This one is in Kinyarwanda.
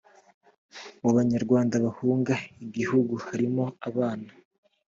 mu banyarwanda bahunga igihugu harimo abana